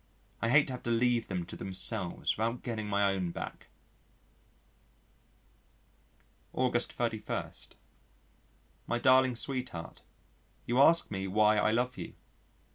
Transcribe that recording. I hate to have to leave them to themselves without getting my own back. August 31. My darling sweetheart, you ask me why I love you.